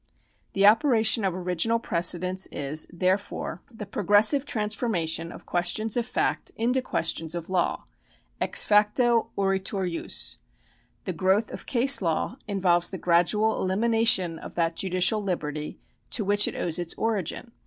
The operation of original precedents is, therefore, the 172 PRECEDENT [§ G7 progressive transformation of questions of fact into questions of law. Ex facto oritur jus. The growth of case law in volves the gradual elimination of that judicial liberty to which it owes its origin.